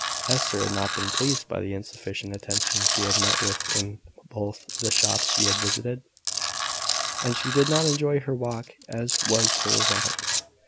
Hester had not been pleased by the insufficient attention she had met with in both the shops she had visited, and she did not enjoy her walk as was her wont.